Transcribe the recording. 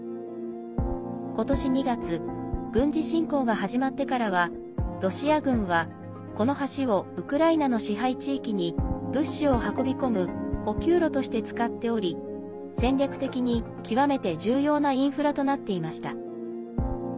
今年２月軍事侵攻が始まってからはロシア軍は、この橋をウクライナの支配地域に物資を運び込む補給路として使っており戦略的に極めて重要なインフラとなっていました。